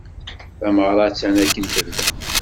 Tameɣra attan akken tebda.